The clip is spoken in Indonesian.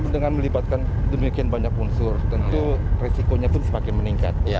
dengan melibatkan demikian banyak unsur tentu resikonya pun semakin meningkat